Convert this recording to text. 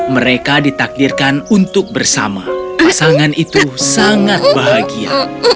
mereka ditakdirkan untuk bersama pasangan itu sangat bahagia